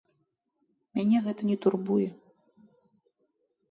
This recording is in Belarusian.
Мяне гэта не турбуе.